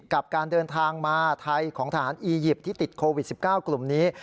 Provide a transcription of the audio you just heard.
กับการเดินทางมาไทยของทหารอียิปต์ที่ติดโควิด๑๙กลุ่มนี้